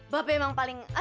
bape emang paling aduh bape